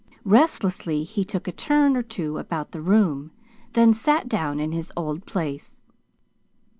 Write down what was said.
Restlessly he took a turn or two about the room, then sat down in his old place.